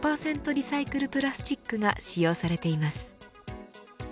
リサイクルプラスチックが使用されています。